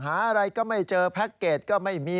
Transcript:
หาอะไรก็ไม่เจอแพ็คเกจก็ไม่มี